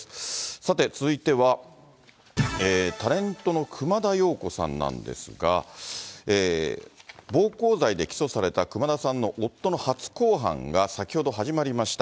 さて、続いてはタレントの熊田曜子さんなんですが、暴行罪で起訴された熊田さんの夫の初公判が、先ほど始まりました。